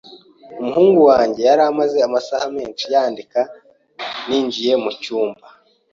Umuhungu wanjye yari amaze amasaha menshi yandika ninjiye mucyumba.